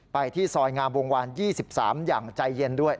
ไปที่ซอยงามวงวาน๒๓อย่างใจเย็นด้วย